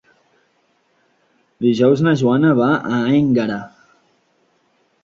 Dijous na Joana va a Énguera.